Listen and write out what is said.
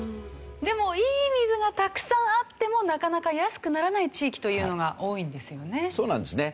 でもいい水がたくさんあってもなかなか安くならない地域というのが多いんですよね。